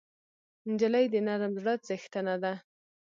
نجلۍ د نرم زړه څښتنه ده.